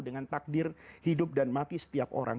dengan takdir hidup dan mati setiap orang